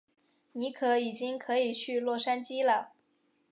尼可已经可以去洛杉矶了。